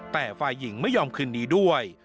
แต่ฝ่ายหญิงไม่ยอมคืนนี้ด้วย